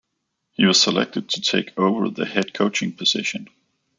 He was selected to take over the head coaching position.